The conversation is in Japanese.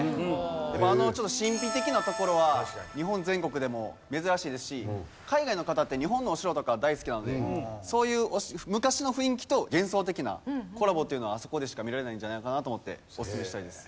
やっぱあのちょっと神秘的な所は日本全国でも珍しいですし海外の方って日本のお城とか大好きなのでそういう昔の雰囲気と幻想的なコラボというのはあそこでしか見られないんじゃないかなと思っておすすめしたいです。